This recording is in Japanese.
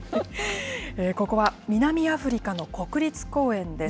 ここは南アフリカの国立公園です。